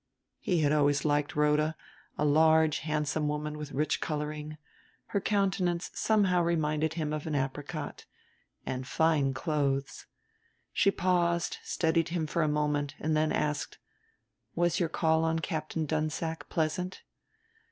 He had always liked Rhoda, a large handsome woman with rich coloring her countenance somehow reminded him of an apricot and fine clothes. She paused, studied him for a moment, and then asked, "Was your call on Captain Dunsack pleasant?"